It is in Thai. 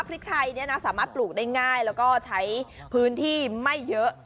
พริกไทยสามารถปลูกได้ง่ายแล้วก็ใช้พื้นที่ไม่เยอะ